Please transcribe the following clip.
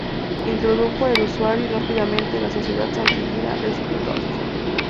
Introdujo a Errázuriz rápidamente en la sociedad santiaguina de ese entonces.